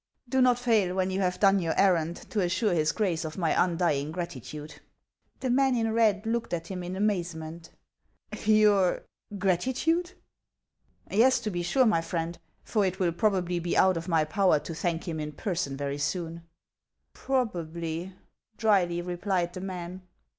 "Do not fail, when you have done your errand, to assure his Grace of my undying gratitude." The man in red looked at him in amazement. " Your — gratitude !"" Yes, to be sure, my friend ; for it will probably be out of my power to thank him in person very soon." " Probably," dryly replied the man.